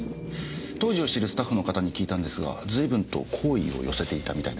当時を知るスタッフの方に聞いたんですが随分と好意を寄せていたみたいですね。